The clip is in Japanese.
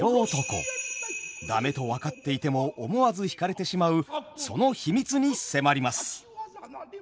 ダメと分かっていても思わず惹かれてしまうその秘密に迫ります。